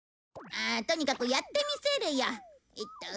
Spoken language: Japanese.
とにかくやってみせるよ。